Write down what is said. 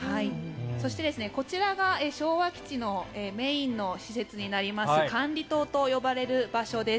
そして、こちらが昭和基地のメインの施設になります管理棟と呼ばれる場所です。